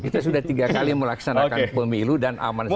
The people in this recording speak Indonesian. kita sudah tiga kali melaksanakan pemilu dan aman saja